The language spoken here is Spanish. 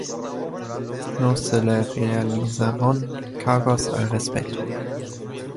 No se le realizaron cargos al respecto.